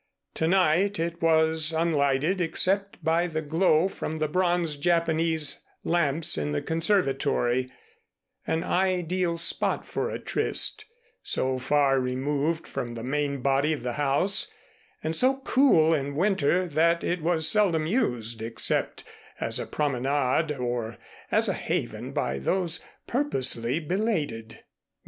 To night it was unlighted except by the glow from the bronze Japanese lamps in the conservatory; an ideal spot for a tryst, so far removed from the main body of the house and so cool in winter that it was seldom used except as a promenade or as a haven by those purposely belated.